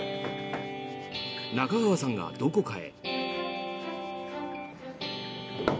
中川さんが、どこかへ。